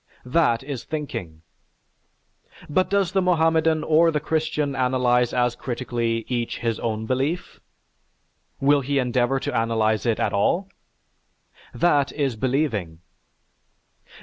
That is thinking. But does the Mohammedan or the Christian analyze as critically each his own belief? Will he endeavor to analyze it at all? That is believing.